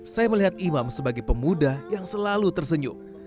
saya melihat imam sebagai pemuda yang selalu tersenyum